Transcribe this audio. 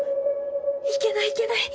いけないいけない！